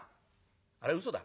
あれはうそだ」。